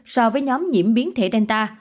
so với nhóm nhiễm biến thể delta